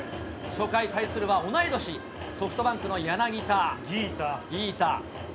初回、対するは同い年、ソフトバンクの柳田。